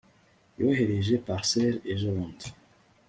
yohereje parcelle ejobundi